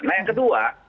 nah yang kedua